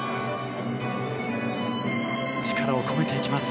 力を込めていきます。